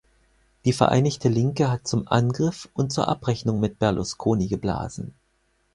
Die Vereinigte Linke hat zum Angriff und zur Abrechnung mit Berlusconi geblasen.